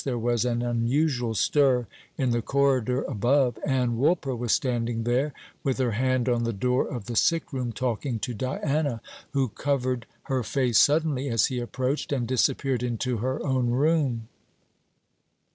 There was an unusual stir in the corridor above. Ann Woolper was standing there, with her hand on the door of the sick room, talking to Diana, who covered her face suddenly as he approached, and disappeared into her own room.